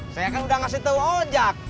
saya kan udah ngasih tau oh jack